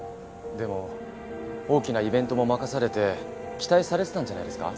でも大きなイベントも任されて期待されてたんじゃないですか？